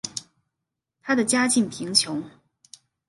她的家境贫穷。